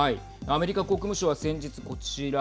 アメリカ国務省は先日こちら。